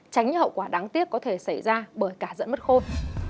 tránh những hậu quả đáng tiếc có thể xảy ra bởi cả dẫn mất khôn